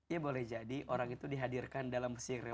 ya boleh jadi orang itu dihadirkan dalam circle kita